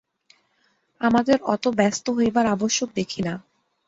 আমাদের অত ব্যস্ত হইবার আবশ্যক দেখি না।